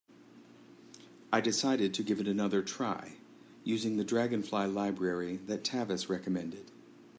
I decided to give it another try, using the Dragonfly library that Tavis recommended.